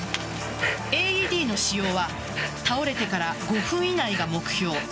ＡＥＤの使用は倒れてから５分以内が目標。